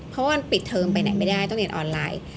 เพราะว่ามันปิดเทอมไปไหนไม่ได้ต้องเรียนออนไลน์